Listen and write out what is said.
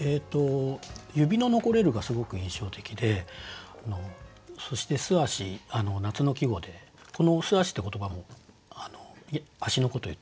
「指の残れる」がすごく印象的でそして「素足」夏の季語でこの素足って言葉も足のことを言ってますよね。